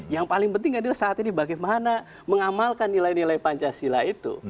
yang paling penting adalah saat ini bagaimana mengamalkan nilai nilai pancasila itu